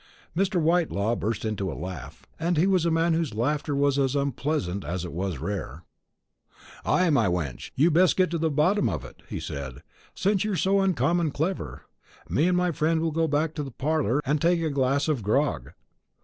Mr. Whitelaw burst into a laugh and he was a man whose laughter was as unpleasant as it was rare. "Ay, my wench, you'd best get to the bottom of it," he said, "since you're so uncommon clever. Me and my friend will go back to the parlour, and take a glass of grog."